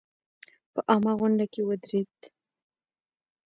په عامه غونډه کې ودرېد.